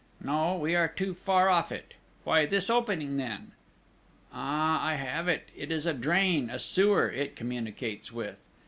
"No, we are too far off it. Why this opening, then?... Ah, I have it! It is a drain, a sewer, it communicates with!"